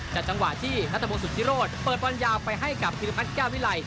จังหวะที่นัทมงสุธิโรธเปิดบอลยาวไปให้กับพิรพัฒนแก้ววิไล